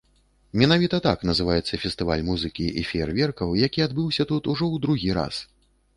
Менавіта так называецца фестываль музыкі і феерверкаў, які адбыўся тут ужо ў другі раз.